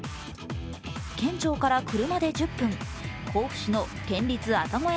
県庁から車で１０分、甲府市の県立愛宕山